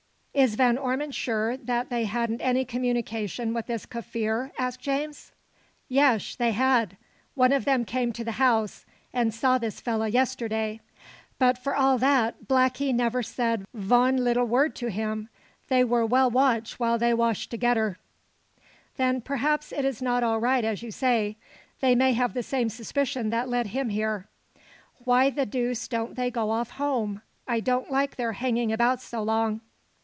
"Is Van Ormon sure that they hadn't any communication with this Kaffir?" asked James. "Yesh! they had. One of them came to the house, and saw this fella yesterday. But for all that, blackee never said von leetle word to him. They were well watch while they wash togedder." "Then perhaps it is not all right, as you say. They may have the same suspicion that led him here. Why the deuce don't they go off home? I don't like their hanging about so long."